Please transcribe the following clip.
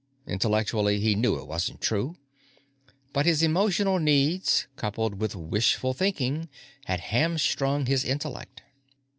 Intellectually, he knew it wasn't true, but his emotional needs, coupled with wishful thinking, had hamstrung his intellect.